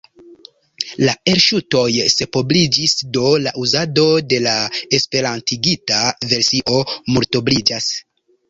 La elŝutoj sepobliĝis, do la uzado de la esperantigita versio multobliĝas.